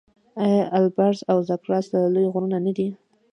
آیا البرز او زاگرس لوی غرونه نه دي؟